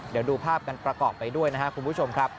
เดี๋ยวดูภาพกันประกอบไปด้วยนะครับคุณผู้ชมครับ